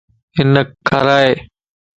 ھنک کارائي